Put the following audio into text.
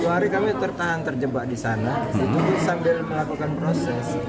dua puluh dua hari kami tertahan terjebak di sana itu sambil melakukan proses